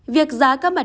việc giá các mặt đồng